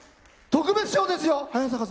特別賞ですよ。